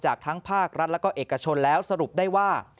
จากทั้งภาครัฐและก็เอกชนแล้วสรุปได้ว่า